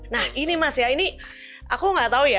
nah ini mas ya ini aku nggak tahu ya